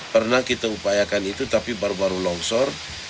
pernah kita upayakan itu tapi baru baru longsor